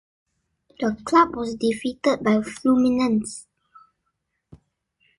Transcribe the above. The club was defeated by Fluminense.